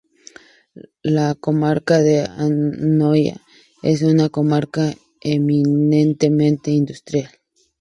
La comarca de Anoia es una comarca eminentemente industrial.